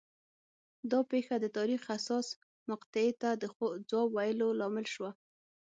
دا پېښه د تاریخ حساسې مقطعې ته د ځواب ویلو لامل شوه